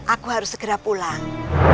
aku harus segera pulang